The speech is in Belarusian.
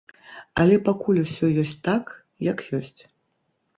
Але пакуль усё ёсць так, як ёсць.